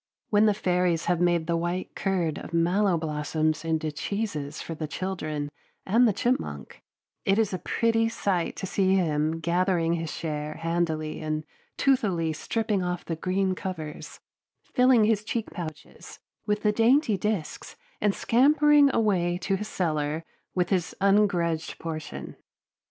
When the fairies have made the white curd of mallow blossoms into cheeses for the children and the chipmunk, it is a pretty sight to see him gathering his share handily and toothily stripping off the green covers, filling his cheek pouches with the dainty disks and scampering away to his cellar with his ungrudged portion.